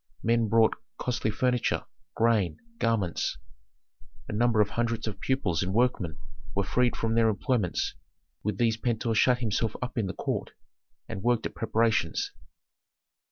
Men brought costly furniture, grain, garments. A number of hundreds of pupils and workmen were freed from their employments; with these Pentuer shut himself up in the court and worked at preparations.